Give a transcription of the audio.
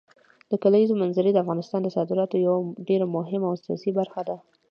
د کلیزو منظره د افغانستان د صادراتو یوه ډېره مهمه او اساسي برخه ده.